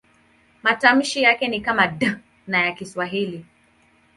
Matamshi yake ni kama D ya Kiswahili.